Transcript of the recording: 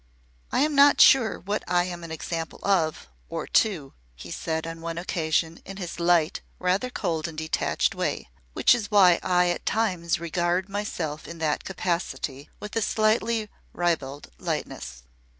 "I am not sure what I am an example of or to," he said, on one occasion, in his light, rather cold and detached way, "which is why I at times regard myself in that capacity with a slightly ribald lightness."